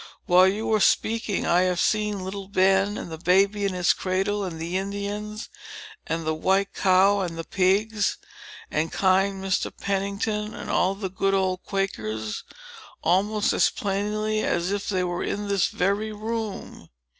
While you were speaking, I have seen little Ben, and the baby in its cradle, and the Indians, and the white cow and the pigs, and kind Mr. Pennington, and all the good old Quakers, almost as plainly as if they were in this very room."